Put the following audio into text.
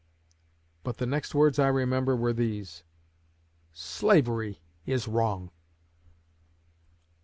'_ But the next words I remember were these: 'Slavery is wrong.'"